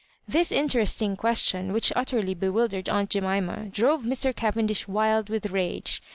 This interesting question, which utterly bewil dered aunt Jemima, drove Mr. Cavendish wild with rage.